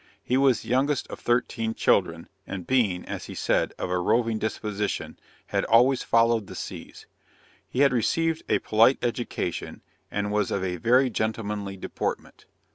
He was the youngest of thirteen children, and being, as he said, of a roving disposition, had always followed the seas. He had received a polite education, and was of a very gentlemanly deportment.